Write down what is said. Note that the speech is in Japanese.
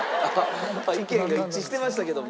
意見が一致してましたけども。